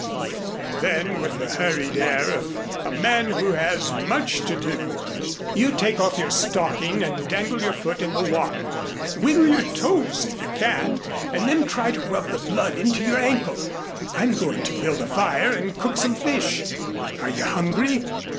And then, with the hurried air of a man who has much to do: "You take off your stocking and dangle your foot in the water. Wiggle your toes if you can and then try to rub the blood into your ankle. I'm going to build a fire and cook some fish. Are you hungry?"